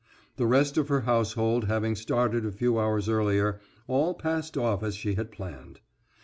The rest of her household having started a few hours earlier, all passed off as she had planned.